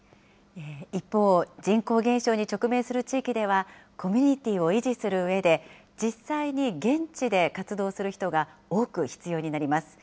一方、人口減少に直面する地域では、コミュニティーを維持するうえで、実際に現地で活動する人が多く必要になります。